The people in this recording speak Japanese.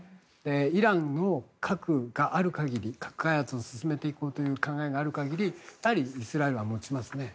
イランの核がある限り核開発を進めていこうという考えがある限りやはりイスラエルは持ちますね。